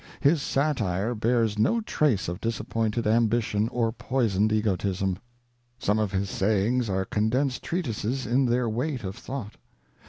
His satire bears no trace of disappointed ambition or poisoned egotism. Some of his sayings are condensed treatises in their weight of thought.